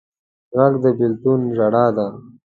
غږ د بېلتون ژړا ده